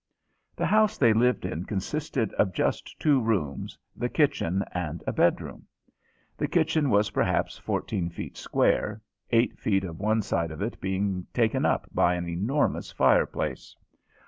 The house they lived in consisted of just two rooms the kitchen and a bedroom. The kitchen was perhaps fourteen feet square, eight feet of one side of it being taken up by an enormous fireplace.